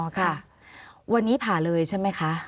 ค่ะวันนี้ผ่าเลยใช่ไหมคะ